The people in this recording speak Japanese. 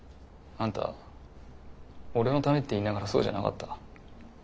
あんた俺のためって言いながらそうじゃなかった。